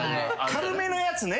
軽めのやつね。